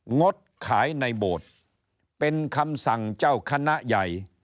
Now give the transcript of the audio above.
งดขายในโบสถ์เป็นคำสั่งเจ้าคณะใหญ่